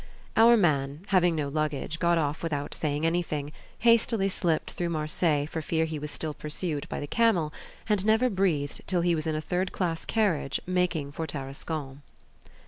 Our man, having no luggage, got off without saying anything, hastily slipped through Marseilles for fear he was still pursued by the camel, and never breathed till he was in a third class carriage making for Tarascon.